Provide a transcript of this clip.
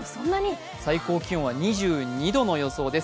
最高気温は２２度の予想です